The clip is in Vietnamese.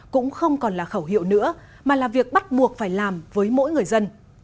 cũng không còn là khẩu hiệu nữa mà là việc bắt buộc phải làm với mỗi người dân